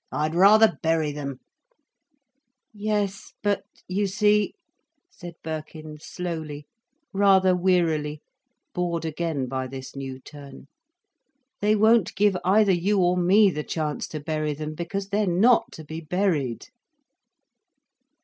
I'd rather bury them—" "Yes but, you see," said Birkin slowly, rather wearily, bored again by this new turn, "they won't give either you or me the chance to bury them, because they're not to be buried."